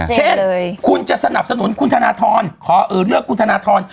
เช่นคุณจะสนับสนุนคุณธนทรขอเลือกคุณธนทร